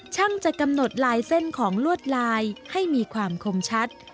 จะกำหนดลายเส้นของลวดลายให้มีความคมชัด